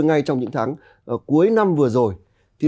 ngay trong những tháng cuối năm vừa rồi